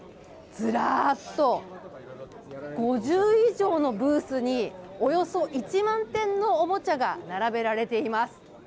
ずらーっと、５０以上のブースにおよそ１万点のおもちゃが並べられています。